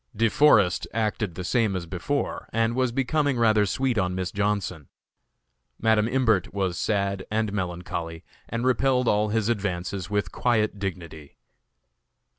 De Forest acted the same as before, and was becoming rather sweet on Miss Johnson. Madam Imbert was sad and melancholy, and repelled all his advances with quiet dignity.